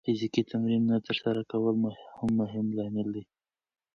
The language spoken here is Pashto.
فزیکي تمرین نه ترسره کول هم مهم لامل دی.